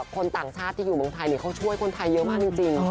คนต่างชาติที่อยู่เมืองไทยเขาช่วยคนไทยเยอะมากจริง